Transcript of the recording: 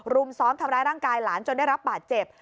รุมซ้อมทำร้ายร่างกายหลานจนได้รับบาดเจ็บ